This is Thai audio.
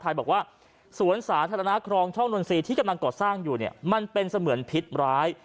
ทายบอกว่าสวนสาธารณาคลองช่องโน้นซีที่กำลังก่อสร้างอยู่มันเป็นเสมือนพิษร้าย